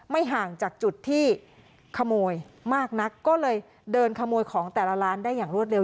ห่างจากจุดที่ขโมยมากนักก็เลยเดินขโมยของแต่ละร้านได้อย่างรวดเร็